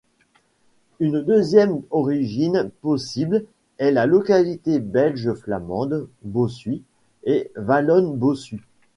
Une deuxième origine possible est la localité belge flamande Bossuit ou wallonne Bossut.